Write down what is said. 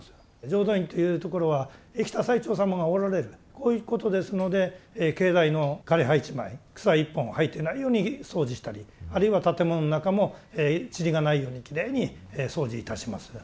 浄土院というところは生きた最澄様がおられるこういうことですので境内の枯れ葉一枚草一本生えてないように掃除したりあるいは建物の中もちりがないようにきれいに掃除いたします。